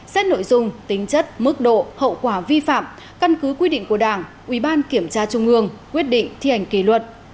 xét nội dung tính chất mức độ hậu quả vi phạm căn cứ quy định của đảng ubnd tp hcm quyết định thi hành kỷ luật